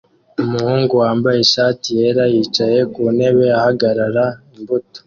Umuhungu wambaye ishati yera yicaye ku ntebe ahagarara imbuto